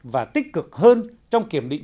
và tích cực hơn trong kiểm định